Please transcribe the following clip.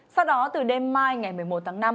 sau đó từ đêm mai ngày một mươi một tháng năm